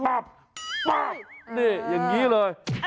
ป๊าบนี่อย่างนี้เลย